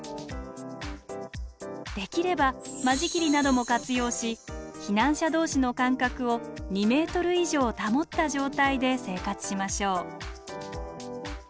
できれば間仕切りなども活用し避難者同士の間隔を２ｍ以上保った状態で生活しましょう。